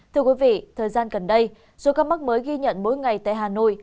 thưa quý vị thời gian gần đây số ca mắc mới ghi nhận mỗi ngày tại hà nội